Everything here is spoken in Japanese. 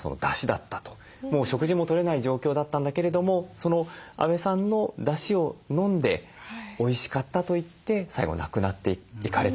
もう食事もとれない状況だったんだけれども阿部さんのだしを飲んで「おいしかった」と言って最期亡くなっていかれたと。